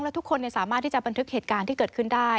แล้วทุกคนสามารถที่จะบันทึกเหตุการณ์ที่เกิดขึ้นได้